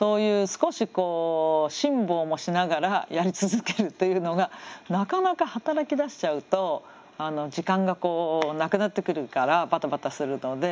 少しこう辛抱もしながらやり続けるというのがなかなか働きだしちゃうと時間がなくなってくるからバタバタするので。